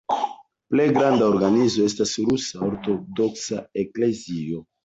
Plej granda organizo estas Rusa Ortodoksa Eklezio.